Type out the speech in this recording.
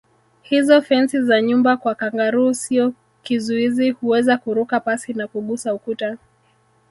Hizo fensi za nyumba kwa kangaroo sio kizuizi huweza kuruka pasi na kugusa ukuta